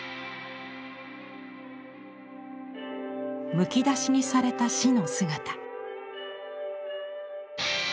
むき出しにされた死の姿。